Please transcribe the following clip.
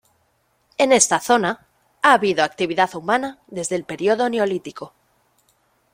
En esta zona ha habido actividad humana desde el período Neolítico.